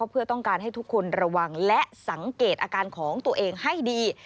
เพื่อต้องการให้ทุกคนระวังและสังเกตอาการของตัวเองให้ดี